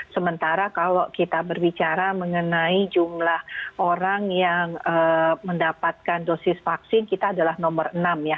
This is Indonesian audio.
sementara kalau kita berbicara mengenai jumlah orang yang mendapatkan dosis vaksin kita adalah nomor enam ya